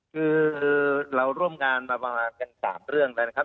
คือเราร่วมงานมาประมาณกัน๓เรื่องแล้วนะครับ